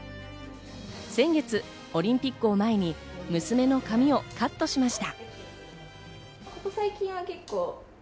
先月、オリンピックを前に娘の髪をカットしました。